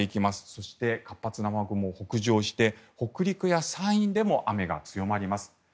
そして、活発な雨雲が北上して北陸や山陰でも雨が強まります。